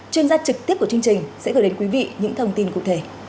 chuyên gia trực tiếp của chương trình sẽ gửi đến quý vị những thông tin cụ thể